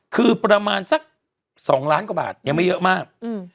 คือประมาณสัก๒ล้านกว่าบาทยังไม่เยอะมาก